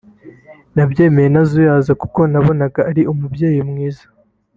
nabyemeye ntazuyaje kuko nabonaga ari umubyeyi mwiza